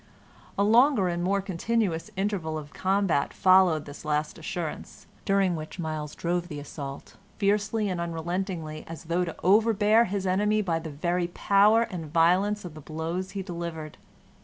A longer and more continuous interval of combat followed this last assurance, during which Myles drove the assault fiercely and unrelentingly as though to overbear his enemy by the very power and violence of the blows he delivered.